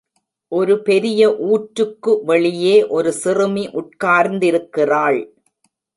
ஒரு பெரிய ஊற்றுக்கு வெளி்யே ஒரு சிறுமி உட்கார்ந்திருக்கிறாள்.